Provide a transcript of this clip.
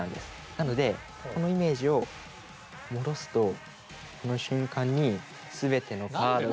なのでこのイメージを戻すとこの瞬間に全てのカードが。